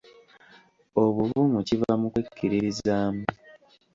Obuvumu kiva mu kwekkiririzaamu.